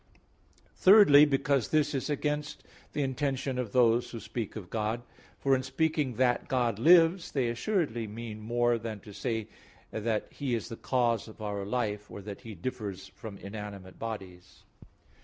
Thirdly, because this is against the intention of those who speak of God. For in saying that God lives, they assuredly mean more than to say the He is the cause of our life, or that He differs from inanimate bodies.